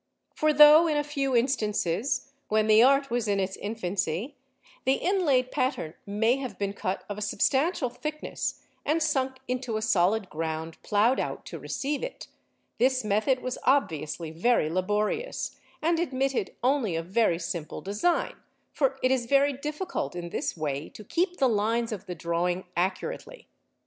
For though in a few instances, when the art was in its infancy, the inlaid pattern may have been cut of a substantial thickness and sunk into a solid ground ploughed out to receive it, this method was obviously very laborious, and admitted only of very simple design, for it is very difficult in this way to keep the lines of the drawing accurately.